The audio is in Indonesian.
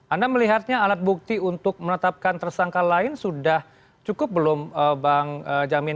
anda melihatnya alat bukti untuk menetapkan tersangka lain sudah cukup belum bang jamin